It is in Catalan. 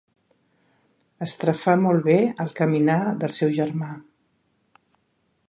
Estrafà molt bé el caminar del seu germà.